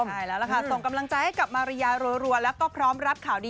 ใช่แล้วล่ะค่ะส่งกำลังใจให้กับมาริยารัวแล้วก็พร้อมรับข่าวดี